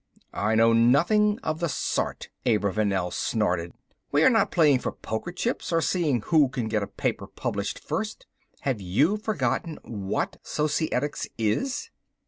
"I know nothing of the sort." Abravanel snorted. "We are not playing for poker chips, or seeing who can get a paper published first. Have you forgotten what Societics is?"